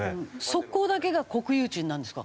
側溝だけが国有地になるんですか？